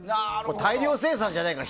大量生産じゃないから。